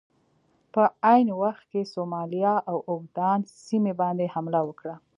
په عین وخت کې سومالیا د اوګادن سیمې باندې حمله وکړه.